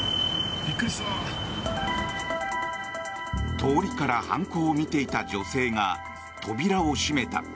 通りから犯行を見ていた女性が扉を閉めた。